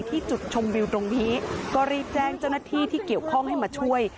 ที่จุดชมวิวตรงนี้ก็รีบแจ้งเจ้าหน้าที่ที่เกี่ยวข้องให้มาช่วย